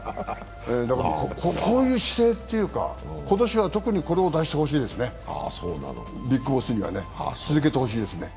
こういう姿勢というか、今年特にこれを出してほしいですね、ＢＩＧＢＯＳＳにはね、続けてほしいですね。